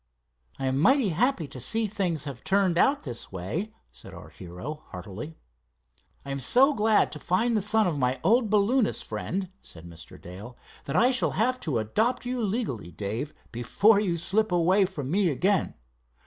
"I am mighty happy to see things have turned out this way," said our hero, heartily. "I am so glad to find the son of my old balloonist friend," said Mr. Dale, "that I shall have to adopt you legally, Dave, before you slip away from me again.